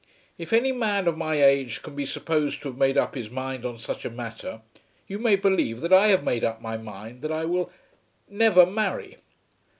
If any man of my age can be supposed to have made up his mind on such a matter, you may believe that I have made up my mind that I will never marry."